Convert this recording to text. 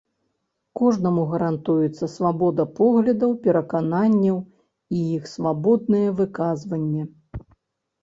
Кожнаму гарантуецца свабода поглядаў, перакананняў і іх свабоднае выказванне.